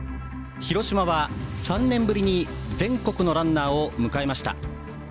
広島は３年ぶりに全国のランナーを迎えました。